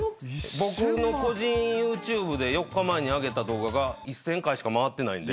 僕の個人ＹｏｕＴｕｂｅで４日前に上げた動画が１，０００回しか回ってないんで。